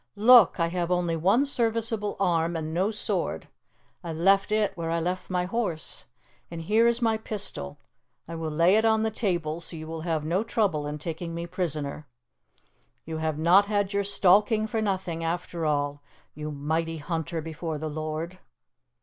Look! I have only one serviceable arm and no sword. I left it where I left my horse. And here is my pistol; I will lay it on the table, so you will have no trouble in taking me prisoner. You have not had your stalking for nothing, after all, you mighty hunter before the Lord!"